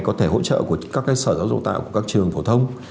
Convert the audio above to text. có thể hỗ trợ của các sở giáo dục tạo của các trường phổ thông